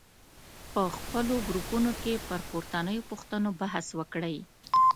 په خپلو ګروپونو کې پر پورتنیو پوښتنو بحث وکړئ.